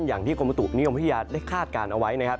อย่างที่กุมตุนิยมพฤษิยาได้คาดการณ์เอาไว้